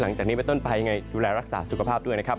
หลังจากนี้ไปต้นไปยังไงดูแลรักษาสุขภาพด้วยนะครับ